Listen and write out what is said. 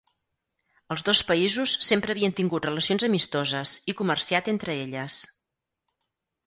Els dos països sempre havien tingut relacions amistoses i comerciat entre elles.